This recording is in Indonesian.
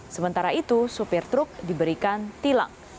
sementara itu supir truk diberikan tilang